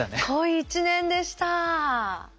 濃い１年でした。